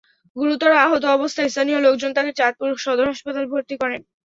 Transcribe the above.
গুরুতর আহত অবস্থায় স্থানীয় লোকজন তাকে চাঁদপুর সদর হাসপাতালে ভর্তি করেন।